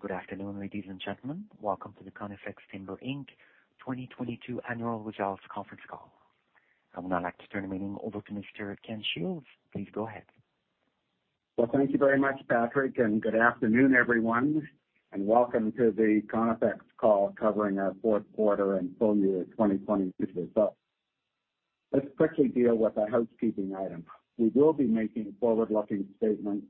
Good afternoon, ladies and gentlemen. Welcome to the Conifex Timber Inc 2022 annual results conference call. I would now like to turn the meeting over to Mr. Ken Shields. Please go ahead. Well, thank you very much, Patrick, and good afternoon, everyone, and welcome to the Conifex call covering our fourth quarter and full year 2022 results. Let's quickly deal with the housekeeping item. We will be making forward-looking statements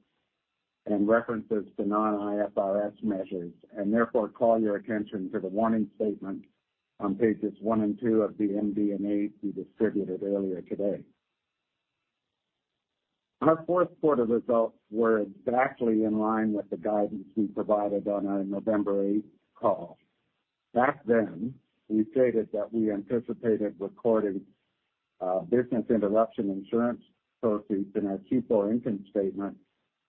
and references to non-IFRS measures and therefore call your attention to the warning statement on pages 1 and 2 of the MD&A we distributed earlier today. Our fourth quarter results were exactly in line with the guidance we provided on our November 8th call. Back then, we stated that we anticipated recording business interruption insurance proceeds in our people income statement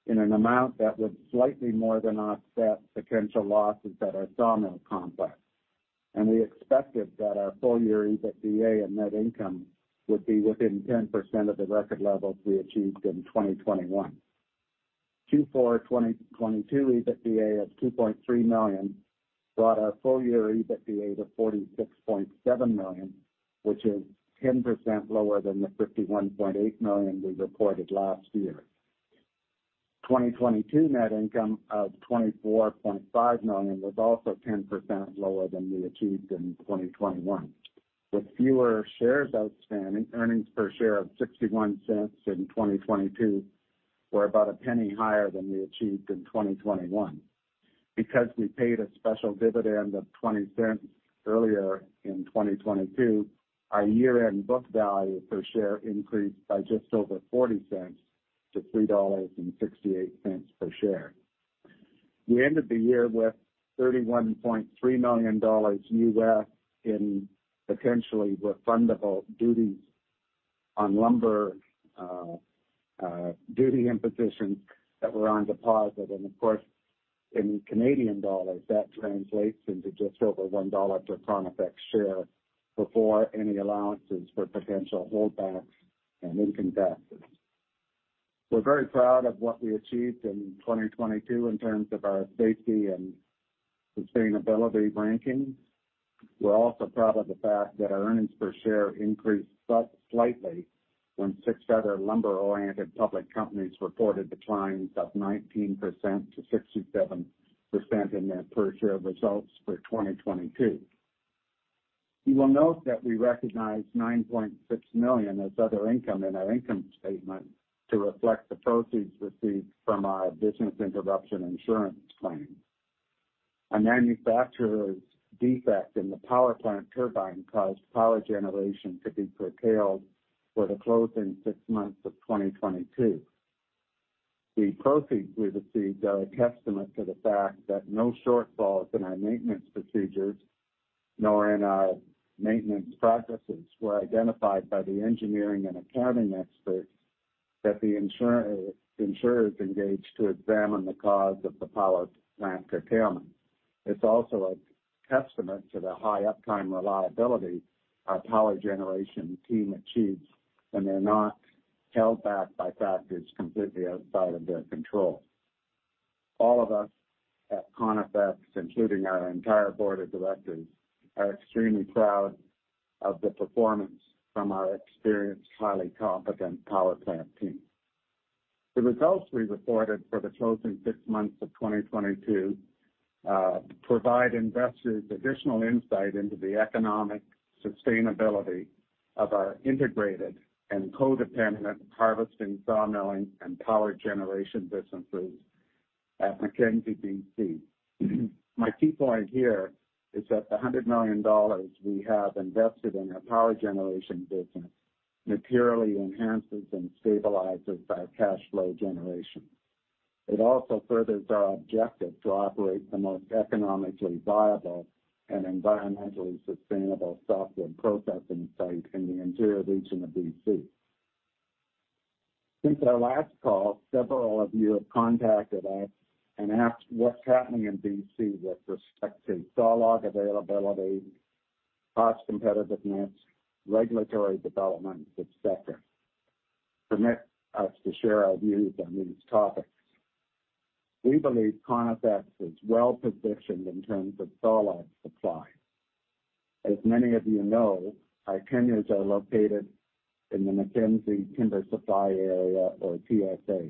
in an amount that would slightly more than offset potential losses at our sawmill complex. We expected that our full-year EBITDA and net income would be within 10% of the record levels we achieved in 2021. Q4 2022 EBITDA of 2.3 million brought our full-year EBITDA to 46.7 million, which is 10% lower than the 51.8 million we reported last year. 2022 net income of 24.5 million was also 10% lower than we achieved in 2021. With fewer shares outstanding, earnings per share of 0.61 in 2022 were about CAD 0.01 higher than we achieved in 2021. Because we paid a special dividend of 0.20 earlier in 2022, our year-end book value per share increased by just over 0.40 to 3.68 dollars per share. We ended the year with $31.3 million in potentially refundable duties on lumber, duty imposition that were on deposit. Of course, in Canadian dollars, that translates into just over 1 dollar per Conifex share before any allowances for potential holdbacks and income taxes. We're very proud of what we achieved in 2022 in terms of our safety and sustainability rankings. We're also proud of the fact that our earnings per share increased slightly when six other lumber-oriented public companies reported declines of 19% to 67% in their per-share results for 2022. You will note that we recognized $9.6 million as other income in our income statement to reflect the proceeds received from our business interruption insurance claim. A manufacturer's defect in the power plant turbine caused power generation to be curtailed for the closing six months of 2022. The proceeds we received are a testament to the fact that no shortfalls in our maintenance procedures, nor in our maintenance processes were identified by the insurers engaged to examine the cause of the power plant curtailment. It's also a testament to the high uptime reliability our power generation team achieves when they're not held back by factors completely outside of their control. All of us at Conifex, including our entire board of directors, are extremely proud of the performance from our experienced, highly competent power plant team. The results we reported for the closing six months of 2022 provide investors additional insight into the economic sustainability of our integrated and codependent harvesting, sawmilling, and power generation businesses at Mackenzie, BC. My key point here is that the 100 million dollars we have invested in our power generation business materially enhances and stabilizes our cash flow generation. It also furthers our objective to operate the most economically viable and environmentally sustainable softwood processing site in the interior region of BC. Since our last call, several of you have contacted us and asked what's happening in BC with respect to sawlog availability, cost competitiveness, regulatory developments, et cetera. Permit us to share our views on these topics. We believe Conifex is well-positioned in terms of sawlog supply. As many of you know, our tenures are located in the Mackenzie Timber Supply Area, or TSA.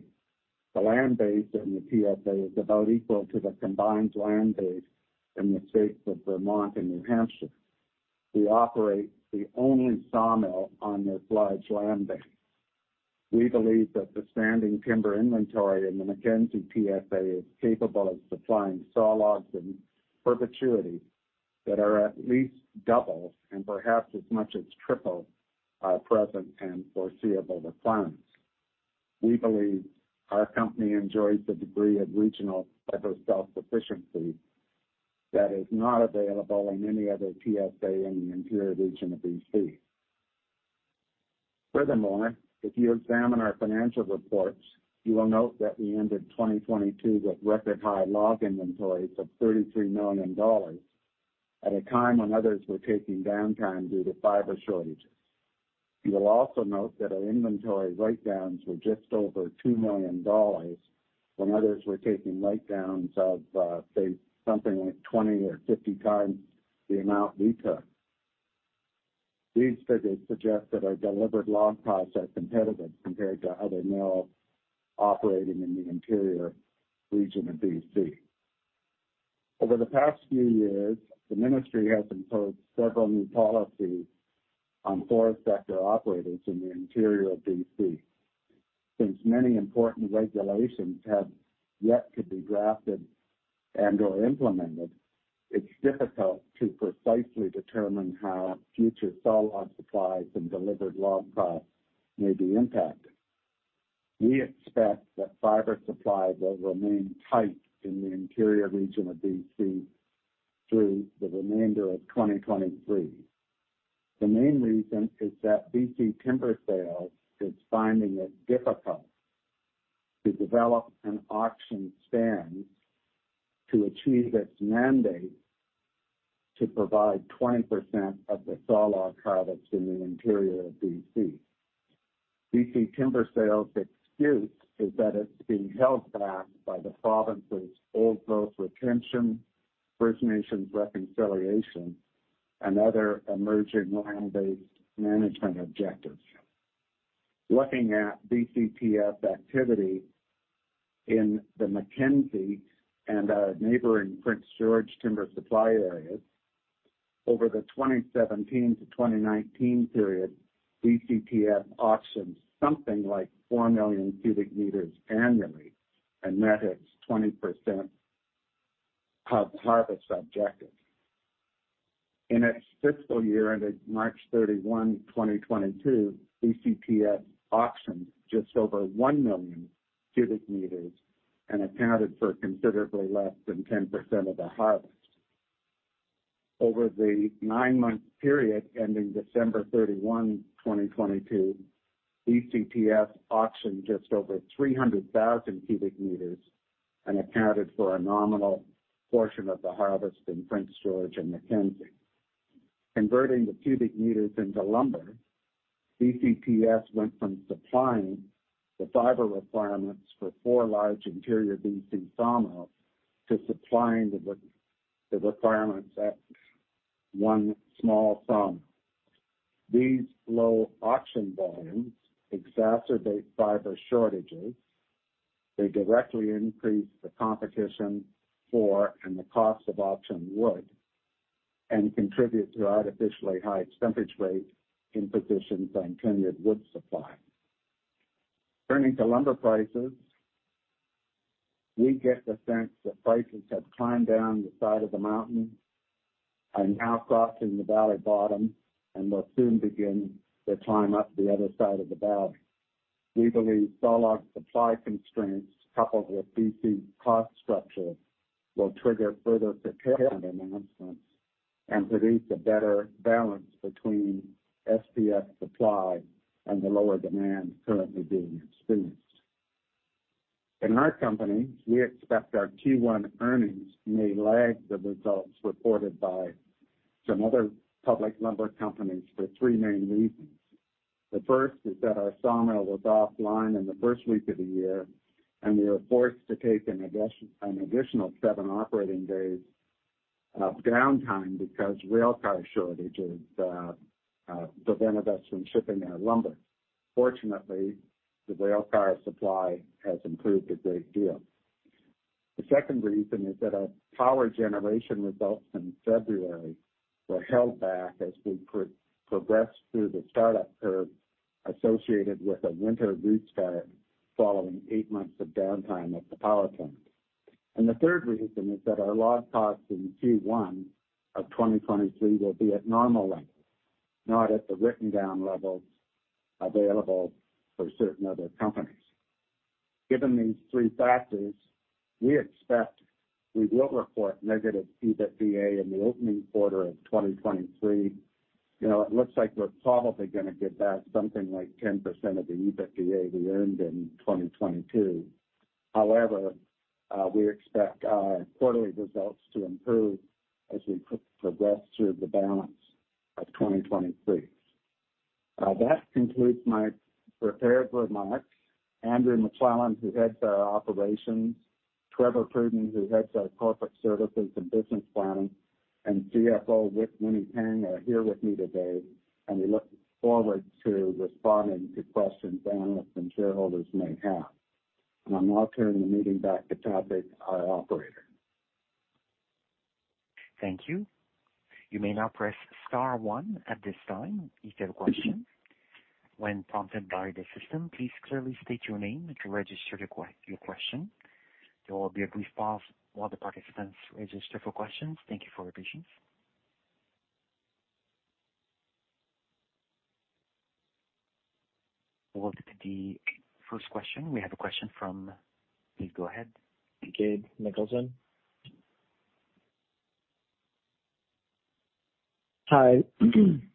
The land base in the TSA is about equal to the combined land base in the states of Vermont and New Hampshire. We operate the only sawmill on this large land bank. We believe that the standing timber inventory in the Mackenzie TSA is capable of supplying sawlogs in perpetuity that are at least double and perhaps as much as triple our present and foreseeable requirements. We believe our company enjoys the degree of regional fiber self-sufficiency that is not available in any other TSA in the interior region of BC. If you examine our financial reports, you will note that we ended 2022 with record high log inventories of 33 million dollars at a time when others were taking downtime due to fiber shortages. You'll also note that our inventory write-downs were just over 2 million dollars when others were taking write-downs of, say, something like 20x or 50x the amount we took. These figures suggest that our delivered log costs are competitive compared to other mills operating in the interior region of BC. Over the past few years, the ministry has imposed several new policies on forest sector operators in the interior of BC. Since many important regulations have yet to be drafted and/or implemented, it's difficult to precisely determine how future sawlog supplies and delivered log costs may be impacted. We expect that fiber supply will remain tight in the interior region of BC through the remainder of 2023. The main reason is that BC Timber Sales is finding it difficult to develop and auction stands to achieve its mandate to provide 20% of the sawlog harvest in the interior of BC. BC Timber Sales' excuse is that it's being held back by the province's old growth retention, First Nations reconciliation, and other emerging land-based management objectives. Looking at BCTS activity in the Mackenzie and neighboring Prince George timber supply areas over the 2017-2019 period, BCTS auctioned something like 4 million cubic meters annually, and that is 20% of harvest objective. In its fiscal year ended March 31, 2022, BCTS auctioned just over 1 million cubic meters and accounted for considerably less than 10% of the harvest. Over the nine-month period ending December 31, 2022, BCTS auctioned just over 300,000 cubic meters and accounted for a nominal portion of the harvest in Prince George and Mackenzie. Converting the cubic meters into lumber, BCTS went from supplying the fiber requirements for four large interior BC sawmills to supplying the requirements at one small sawmill. These low auction volumes exacerbate fiber shortages. They directly increase the competition for and the cost of auction wood and contribute to artificially high stumpage rates imposed on timber wood supply. Turning to lumber prices, we get the sense that prices have climbed down the side of the mountain and now crossing the valley bottom and will soon begin their climb up the other side of the valley. We believe sawlog supply constraints coupled with BC cost structure will trigger further announcements and produce a better balance between SPF supply and the lower demand currently being experienced. In our company, we expect our Q1 earnings may lag the results reported by some other public lumber companies for three main reasons. The first is that our sawmill was offline in the first week of the year, and we were forced to take an additional seven operating days of downtime because railcar shortages prevented us from shipping our lumber. Fortunately, the railcar supply has improved a great deal. The second reason is that our power generation results in February were held back as we progressed through the startup curve associated with a winter restart following eight months of downtime at the power plant. The third reason is that our log costs in Q1 of 2023 will be at normal levels, not at the written down levels available for certain other companies. Given these three factors, we expect we will report negative EBITDA in the opening quarter of 2023. You know, it looks like we're probably gonna get back something like 10% of the EBITDA we earned in 2022. However, we expect our quarterly results to improve as we progress through the balance of 2023. That concludes my prepared remarks. Andrew McLellan, who heads our Operations, Trevor Pruden, who heads our Corporate Services and Business Planning, and CFO Winny Tang are here with me today. We look forward to responding to questions analysts and shareholders may have. I'll now turn the meeting back to Tabith, our operator. Thank you. You may now press star one at this time if you have a question. When prompted by the system, please clearly state your name to register your question. There will be a brief pause while the participants register for questions. Thank you for your patience. We'll look at the first question. We have a question from... Please go ahead. Gabe Nicholson. Hi.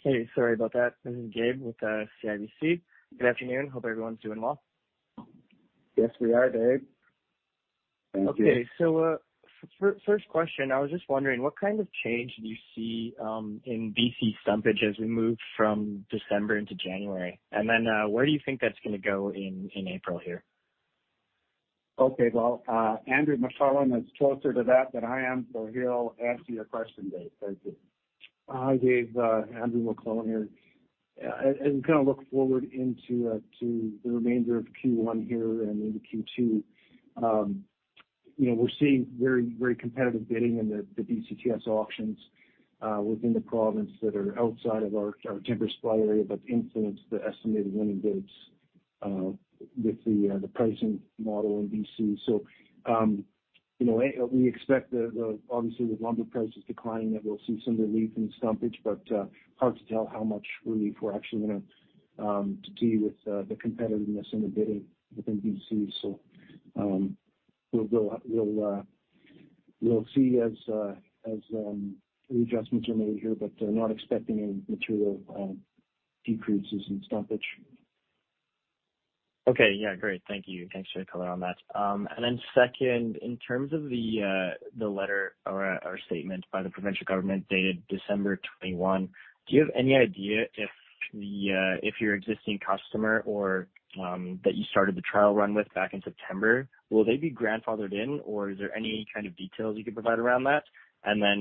Hey, sorry about that. This is Gabe with CIBC. Good afternoon. Hope everyone's doing well. Yes, we are, Gabe. Thank you. Okay. First question, I was just wondering, what kind of change do you see in BC stumpage as we move from December into January? Then, where do you think that's gonna go in April here? Okay. Well, Andrew McLellan is closer to that than I am, he'll answer your question, Gabe. Thank you. Hi, Gabe. Andrew McLellan here. As we kind of look forward into the remainder of Q1 here and into Q2, you know, we're seeing very, very competitive bidding in the BCTS auctions within the province that are outside of our timber supply area, but influence the estimated winning bids with the pricing model in BC. You know, we expect obviously with lumber prices declining, that we'll see some relief in the stumpage, but hard to tell how much relief we're actually gonna deal with the competitiveness in the bidding within BC. We'll see as the adjustments are made here, but not expecting any material decreases in stumpage. Okay. Yeah, great. Thank you. Thanks for the color on that. Second, in terms of the letter or statement by the provincial government dated December 21, do you have any idea if the, if your existing customer or, that you started the trial run with back in September, will they be grandfathered in, or is there any kind of details you could provide around that?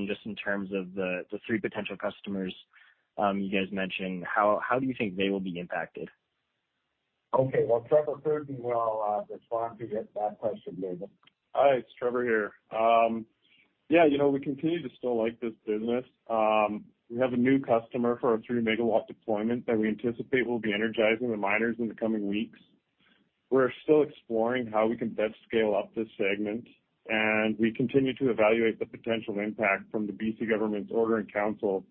Just in terms of the 3 potential customers, you guys mentioned, how do you think they will be impacted? Okay. Well, Trevor Pruden will respond to that question, Gabe. Hi, it's Trevor here. Yeah, you know, we continue to still like this business. We have a new customer for our 3 MW deployment that we anticipate will be energizing the miners in the coming weeks. We're still exploring how we can best scale up this segment, and we continue to evaluate the potential impact from the BC government's Order in Council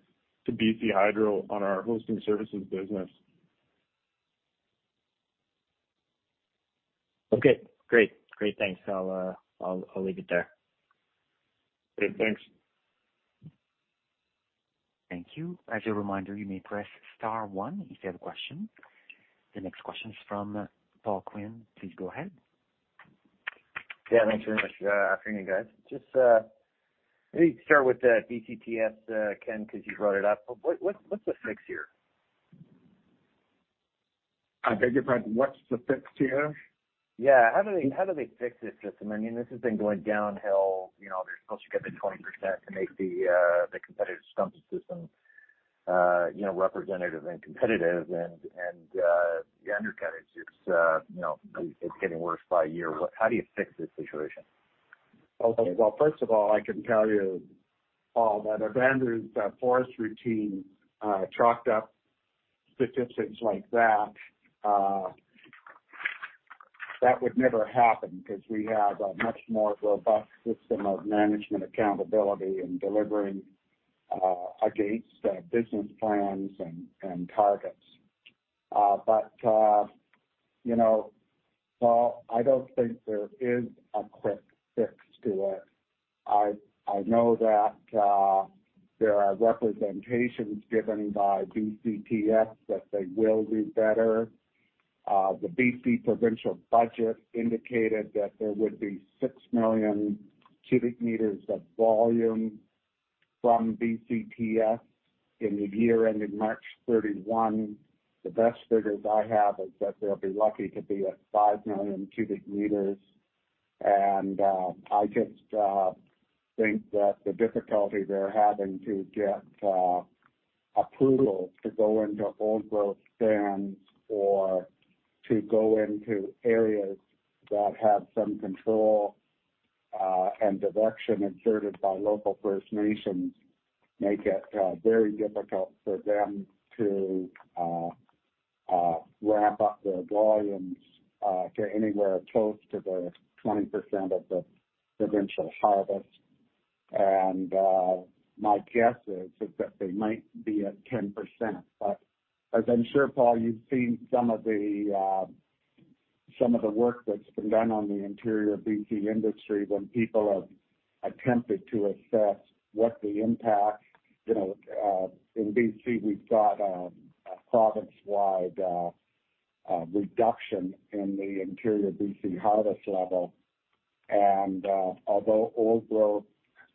to BC Hydro on our Hosting Services business. Okay, great. Great. Thanks. I'll leave it there. Okay, thanks. Thank you. As a reminder, you may press star one if you have a question. The next question is from Paul Quinn. Please go ahead. Yeah, thank you very much. Afternoon, guys. Just, maybe start with the BCTS, Ken, 'cause you brought it up. What's the fix here? I beg your pardon. What's the fix here? Yeah. How do they, how do they fix this system? I mean, this has been going downhill. You know, they're supposed to get the 20% to make the competitive stumpage system, you know, representative and competitive and the undercut, it's, you know, it's getting worse by year. How do you fix this situation? Well, first of all, I can tell you, Paul, that if Andrew's forest tenure chalked up statistics like that would never happen because we have a much more robust system of management accountability in delivering against business plans and targets. You know, Paul, I don't think there is a quick fix to it. I know that there are representations given by BCTS that they will do better. The BC provincial budget indicated that there would be 6 million cubic meters of volume from BCTS in the year ending March 31. The best figures I have is that they'll be lucky to be at 5 million cubic meters. I just think that the difficulty they're having to get approval to go into old growth stands or to go into areas that have some control and direction exerted by local First Nations make it very difficult for them to ramp up their volumes to anywhere close to the 20% of the provincial harvest. My guess is that they might be at 10%. As I'm sure, Paul, you've seen some of the work that's been done on the interior BC industry when people have attempted to assess what the impact, you know, in BC, we've got a province-wide reduction in the interior BC harvest level. Although old growth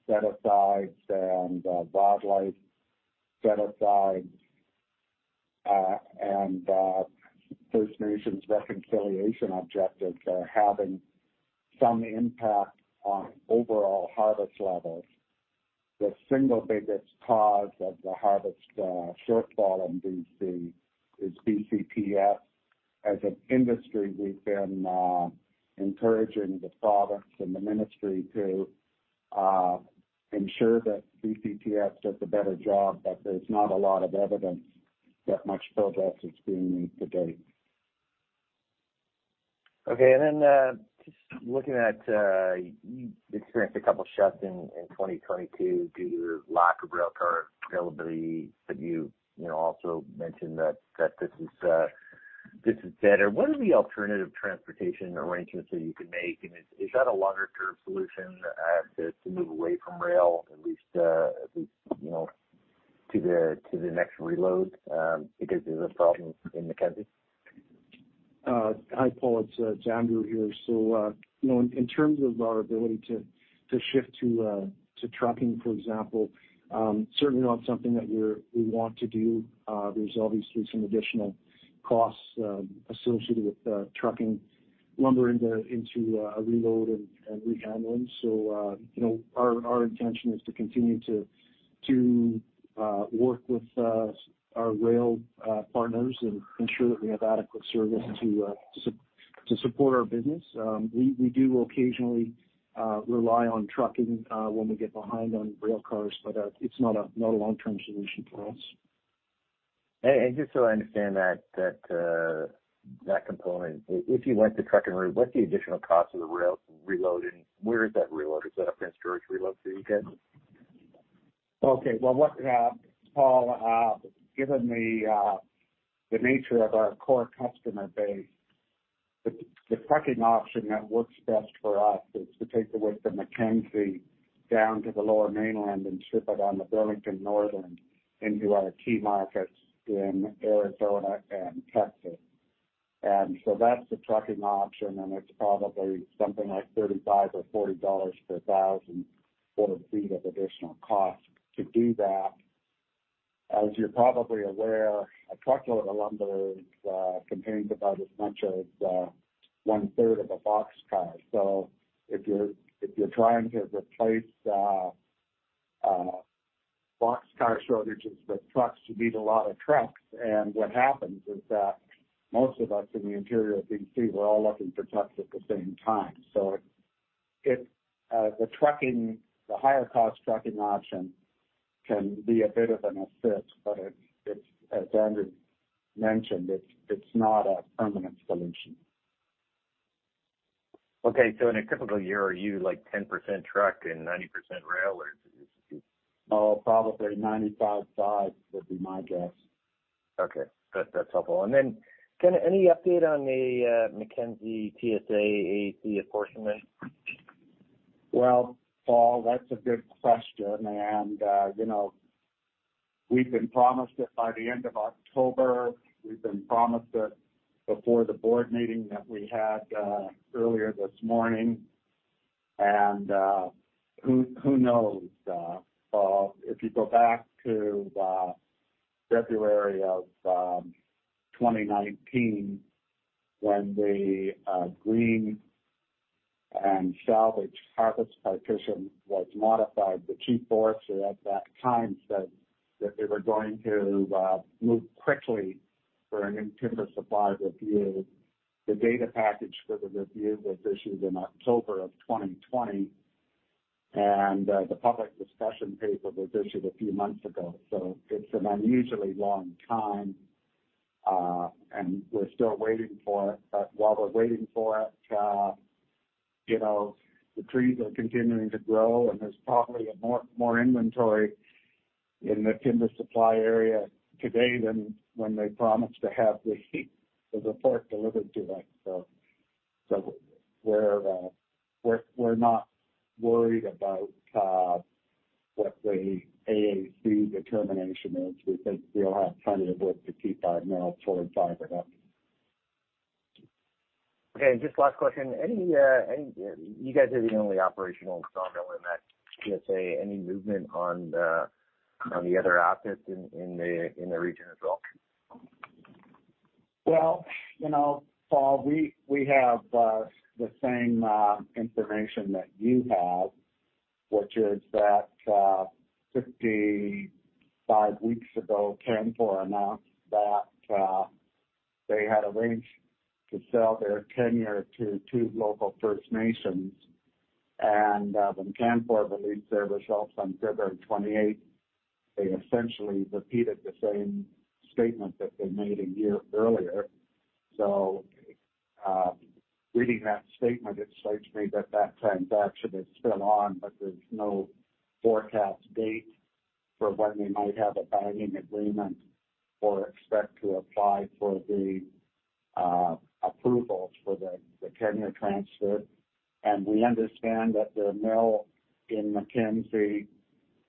set asides and wildlife set asides and First Nations reconciliation objectives are having some impact on overall harvest levels, the single biggest cause of the harvest shortfall in BC is BCTS. As an industry, we've been encouraging the province and the ministry to ensure that BCTS does a better job, but there's not a lot of evidence that much progress is being made to date. Okay. Just looking at, you experienced a couple of shuts in 2022 due to lack of rail car availability, but you know, also mentioned that this is better. What are the alternative transportation arrangements that you can make? Is that a longer term solution to move away from rail, at least, you know, to the next reload, because there's a problem in Mackenzie? Hi, Paul. It's Andrew here. You know, in terms of our ability to shift to trucking, for example, certainly not something that we want to do. There's obviously some additional costs associated with trucking lumber into a reload and rehandling. You know, our intention is to continue to work with our rail partners and ensure that we have adequate service to support our business. We do occasionally rely on trucking when we get behind on rail cars, but it's not a long-term solution for us. Just so I understand that component, if you went the trucking route, what's the additional cost of the rail reload and where is that reloaded? Is that a Prince George reload that you get? Okay. Well, what Paul, given the nature of our core customer base, the trucking option that works best for us is to take the wood from Mackenzie down to the lower mainland and ship it on the Burlington Northern into our key markets in Arizona and Texas. That's the trucking option, and it's probably something like 35 or 40 dollars per 1,000 board feet of additional cost to do that. As you're probably aware, a truckload of lumber contains about as much as one third of a boxcar. If you're trying to replace boxcar shortages with trucks, you need a lot of trucks. What happens is that most of us in the interior BC, we're all looking for trucks at the same time. The higher cost trucking option can be a bit of an assist, but it's as Andrew mentioned, it's not a permanent solution. Okay. In a typical year, are you like 10% truck and 90% rail, or is it? No, probably 95/5 would be my guess. Okay. That's helpful. Ken, any update on the Mackenzie TSA AAC apportionment? Well, Paul, that's a good question. you know, we've been promised it by the end of October. We've been promised it before the board meeting that we had earlier this morning. who knows, Paul? If you go back to February of 2019 when the green and salvage harvest partition was modified, the Chief Forester at that time said that they were going to move quickly for a new timber supply review. The data package for the review was issued in October of 2020, the public discussion paper was issued a few months ago. it's an unusually long time, and we're still waiting for it. While we're waiting for it, you know, the trees are continuing to grow, and there's probably a more inventory in the timber supply area today than when they promised to have the report delivered to us. We're not worried about what the AAC determination is. We think we'll have plenty of wood to keep our mill toward fiber up. Okay, just last question. You guys are the only operational sawmill in that TSA. Any movement on the other assets in the region as well? You know, Paul, we have the same information that you have, which is that 55 weeks ago, Canfor announced that they had arranged to sell their tenure to two local First Nations. When Canfor released their results on February 28th, they essentially repeated the same statement that they made a year earlier. Reading that statement, it strikes me that that transaction is still on, but there's no forecast date for when they might have a binding agreement or expect to apply for the approvals for the tenure transfer. We understand that the mill in Mackenzie,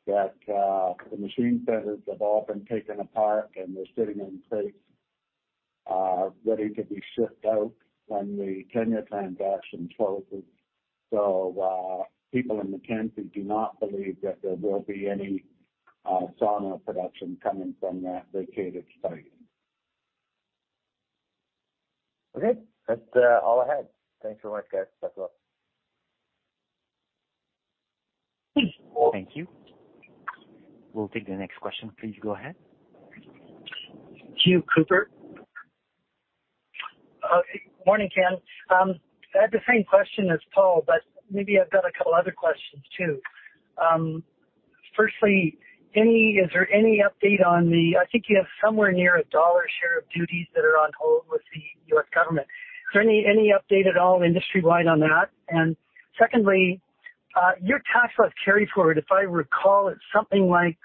that the machine centers have all been taken apart, and they're sitting in crates, ready to be shipped out when the tenure transaction closes. People in Mackenzie do not believe that there will be any sauna production coming from that vacated site. Okay. That's all I had. Thanks very much, guys. That's all. Thank you. We'll take the next question. Please go ahead. [Hugh Cooper]. Morning, Ken. I had the same question as Paul, but maybe I've got a couple other questions too. Firstly, is there any update on the I think you have somewhere near a $1 share of duties that are on hold with the U.S. government? Is there any update at all industry-wide on that? Secondly, your tax loss carry-forward, if I recall, it's something like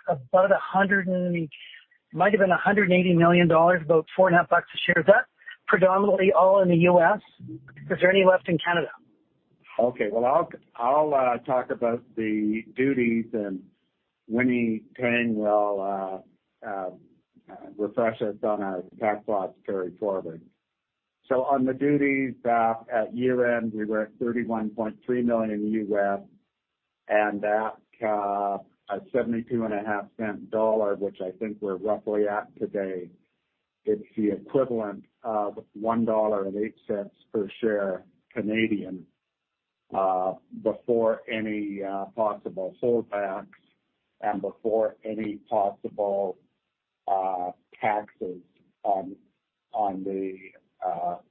Might have been 180 million dollars, about four and a half dollars a share. Is that predominantly all in the U.S.? Is there any left in Canada? Okay. Well, I'll talk about the duties, and Winny Tang will refresh us on our tax loss carry-forward. On the duties, at year-end, we were at $31.3 million in U.S., and that, at $0.725, which I think we're roughly at today, it's the equivalent of 1.08 dollar per share before any possible holdbacks and before any possible taxes on the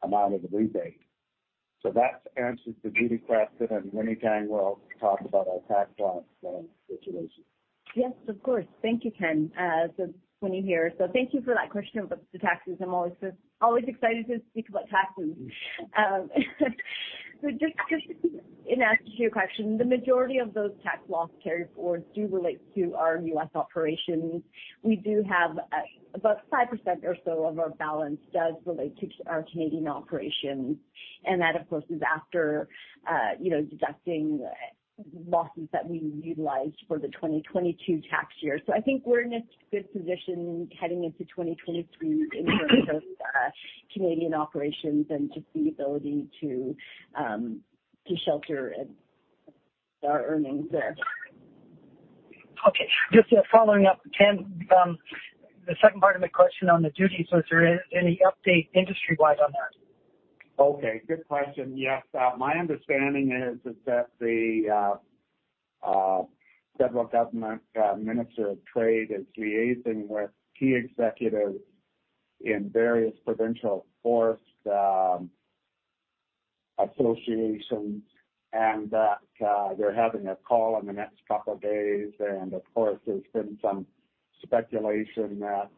amount of the rebate. That answers the duty question, and Winny Tang will talk about our tax loss situation. Yes, of course. Thank you, Ken. It's Winny here. Thank you for that question about the taxes. I'm always excited to speak about taxes. Just in answer to your question, the majority of those tax loss carry-forwards do relate to our U.S. operations. We do have about 5% or so of our balance does relate to our Canadian operations, and that, of course, is after, you know, deducting losses that we utilized for the 2022 tax year. I think we're in a good position heading into 2023 in terms of Canadian operations and just the ability to shelter our earnings there. Okay. Just, following up, Ken. The second part of my question on the duties, was there any update industry-wide on that? Okay. Good question. Yes. My understanding is that the Federal Government, Minister of International Trade is liaising with key executives in various provincial forest associations and that they're having a call in the next couple days. Of course, there's been some speculation that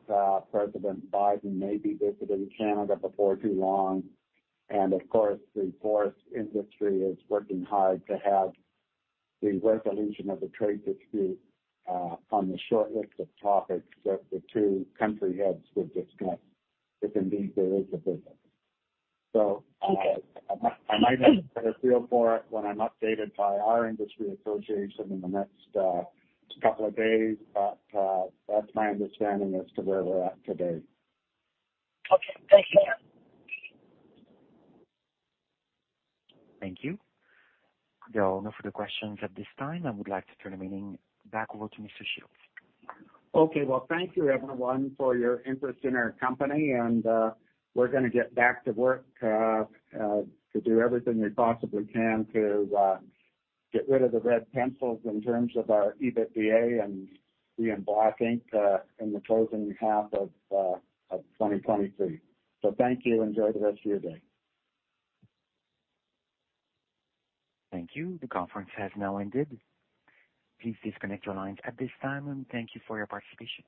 President Biden may be visiting Canada before too long, and of course, the forest industry is working hard to have the resolution of the trade dispute on the short list of topics that the two country heads will discuss if indeed there is a visit. Okay. I might have a better feel for it when I'm updated by our industry association in the next couple of days. That's my understanding as to where we're at today. Okay. Thanks, Ken. Thank you. There are no further questions at this time. I would like to turn the meeting back over to Mr. Shields. Okay. Well, thank you, everyone, for your interest in our company. We're gonna get back to work to do everything we possibly can to get rid of the red pencils in terms of our EBITDA and be in black ink in the closing half of 2023. Thank you. Enjoy the rest of your day. Thank you. The conference has now ended. Please disconnect your lines at this time, and thank you for your participation.